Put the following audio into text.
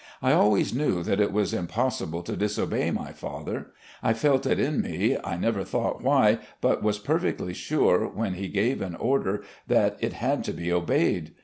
I always knew that it was impossible to disobey my father. I felt it in me, I never thought why, but was perfectly sure when he gave an order that it had to be obeyed.